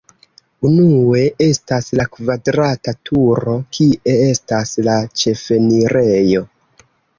Unue estas la kvadrata turo, kie estas la ĉefenirejo.